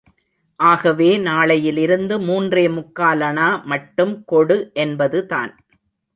ஆகவே, நாளையிலிருந்து மூன்றே முக்காலணா மட்டும் கொடு என்பதுதான்.